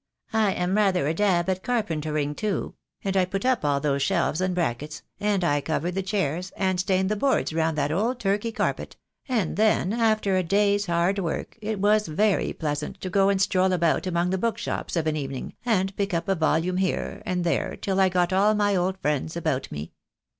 I am rather a dab at carpentering, too, and I put up all those shelves and brackets, and I covered the chairs, and stained the boards round that old Turkey carpet; and then, after a day's hard work, it was very pleasant to go and stroll about among the bookshops of an even ing and pick up a volume here and there till I got all my old friends about me.